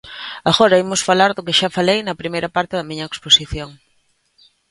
Agora imos falar do que xa falei na primeira parte da miña exposición.